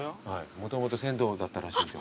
もともと銭湯だったらしいんですよ。